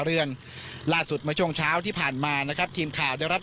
เรือนล่าสุดเมื่อช่วงเช้าที่ผ่านมานะครับทีมข่าวได้รับ